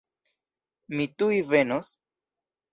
Mi tuj venos.